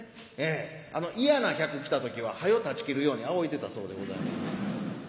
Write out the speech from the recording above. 嫌な客来た時ははよたちきるようにあおいでたそうでございます。